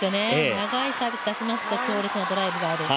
長いサービスを出しますと強烈なドライブが返ってくる。